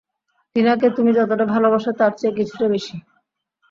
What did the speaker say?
টিনা কে তুমি যতটা ভালোবাসো, তার চেয়ে কিছুটা বেশি।